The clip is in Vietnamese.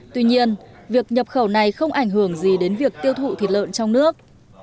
tuy nhiên việc nhập khẩu này không ảnh hưởng gì đến việc tiêu thụ thịt lợn trong nước